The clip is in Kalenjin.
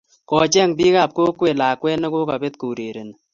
Kocheng bikap kokwet lakwet nogokabet kourereni